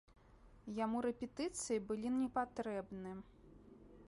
Яму рэпетыцыі былі непатрэбны.